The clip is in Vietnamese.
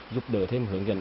giúp đỡ thêm hướng dẫn